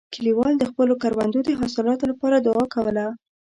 کلیوال د خپلو کروندو د حاصلاتو لپاره دعا کوله.